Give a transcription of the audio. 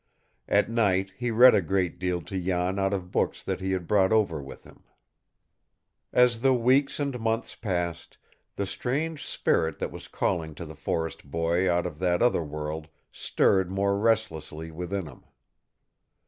At night he read a great deal to Jan out of books that he had brought over with him. As the weeks and months passed, the strange spirit that was calling to the forest boy out of that other world stirred more restlessly within him.